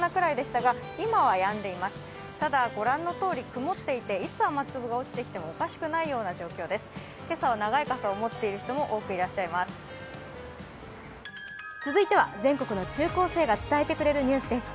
ただご覧のとおり曇っていていつ雨粒が落ちてきてもおかしくないような状況です。